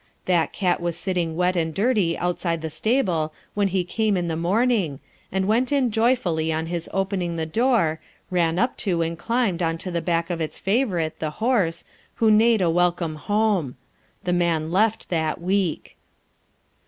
That cat was sitting wet and dirty outside the stable when he came in the morning, and went in joyfully on his opening the door, ran up to and climbed on to the back of its favourite, the horse, who neighed a "welcome home." The man left that week.